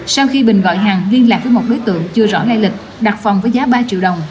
sau khi bình gọi hàng liên lạc với một đối tượng chưa rõ lai lịch đặt phòng với giá ba triệu đồng